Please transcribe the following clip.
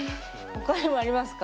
他にもありますか？